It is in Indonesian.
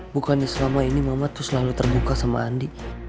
bukan selama ini mama tuh selalu terbuka sama andi